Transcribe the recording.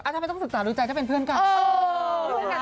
เอาล่ะเชียร์ตอนเชียร์เชียร์ต่อไปเขินจริงจิงนะยูโร